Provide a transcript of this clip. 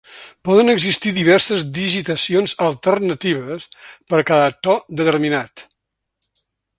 Poden existir diverses digitacions alternatives per cada to determinat.